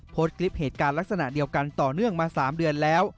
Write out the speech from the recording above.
โพสต์คลิปเหตุการณ์ลักษณะเดียวกันต่อเนื่องมา๓เดือนแล้ว